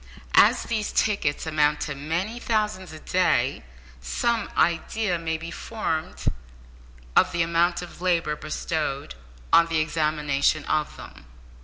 As these tickets amount to many thousands a day, some idea may be formed of the amount of labour bestowed on the examination of them.